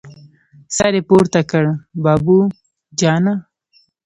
سر يې پورته کړ: بابو جانه!